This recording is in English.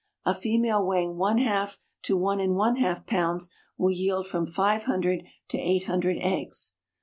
A female weighing one half to one and one half pounds will yield from five hundred to eight hundred eggs.